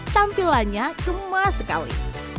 tampilannya gemes sekali